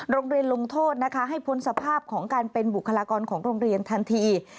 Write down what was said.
ลงโทษนะคะให้พ้นสภาพของการเป็นบุคลากรของโรงเรียนทันที